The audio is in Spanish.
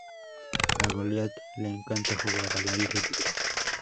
A Goliat le encanta jugar al aire libre.